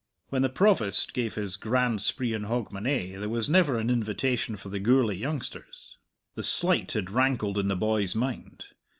When the Provost gave his grand spree on Hogmanay there was never an invitation for the Gourlay youngsters. The slight had rankled in the boy's mind.